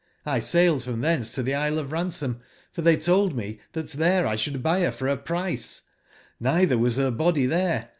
I sailed from tbence to tbc Isle of Ransom, for tbey told me tbat tbcre X sbould buy ber for a price; neitber was ber body tbcre.